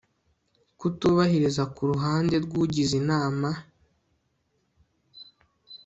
Kutubahiriza ku ruhande rw ugize Inama